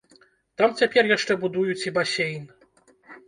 Там цяпер яшчэ будуюць і басейн.